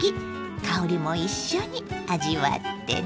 香りも一緒に味わってね。